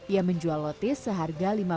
ia menjual lotis seharga